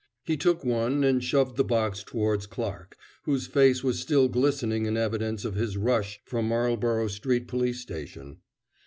He took one, and shoved the box towards Clarke, whose face was still glistening in evidence of his rush from Marlborough Street police station.